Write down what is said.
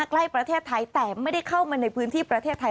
ใกล้ประเทศไทยแต่ไม่ได้เข้ามาในพื้นที่ประเทศไทย